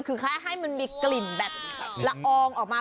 คือแค่ให้มันมีกลิ่นแบบละอองออกมา